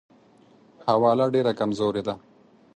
حواله ډېره کمزورې ده.